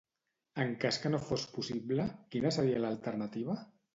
En cas que no fos possible, quina seria l'alternativa?